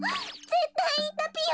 ぜったいいたぴよ！